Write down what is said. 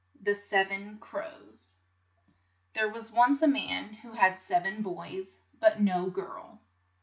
THE SEVEN CROWS THERE was once a man who had sev en boys, but no girl.